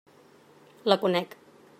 La conec.